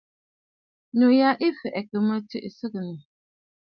Nû yà ɨ̀ fɛ̀ɛ̀ŋkə̀ mə̂ tsɨ̂tsɔ̀ŋə̀.